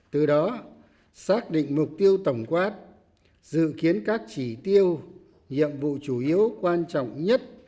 từ đó xác định mục tiêu tổng quát dự kiến các chỉ tiêu nhiệm vụ chủ yếu quan trọng nhất